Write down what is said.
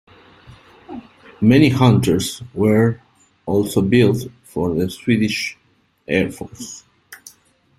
Many Hunters were also built for the Swedish Air Force.